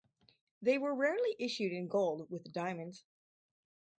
They were rarely issued in Gold with Diamonds.